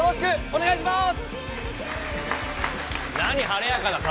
お願いしまーす！